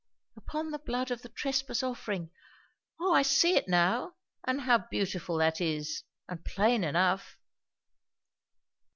"Upon the blood of the trespass offering. O I see it now. And how beautiful that is! and plain enough."